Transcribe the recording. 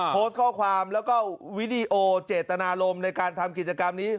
โพสต์ข้อความแล้วก็วิดีโอเจตนารมณ์ในการทำกิจกรรมนี้